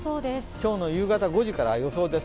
今日の夕方５時から予想です。